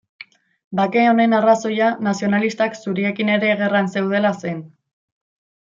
Bake honen arrazoia nazionalistak zuriekin ere gerran zeudela zen.